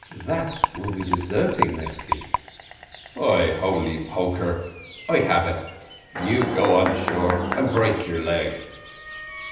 "That will be deserting, Mesty." "By holy poker, I ab it you go on shore and break your leg."